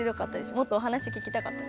もっとお話聞きたかったです。